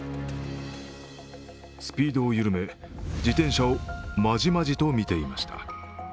スピードを緩め自転車をまじまじと見ていました。